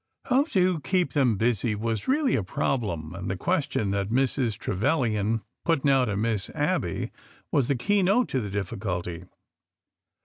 How to keep them busy was really a problem, and the question that Mrs. Trevilian put now to Miss Abby was the key note to the difficulty.